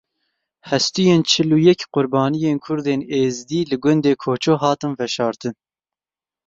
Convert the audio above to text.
Hestiyên çil û yek qurbaniyên Kurdên Êzidî li gundê Koço hatin veşartin.